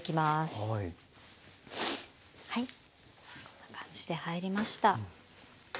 こんな感じで入りました。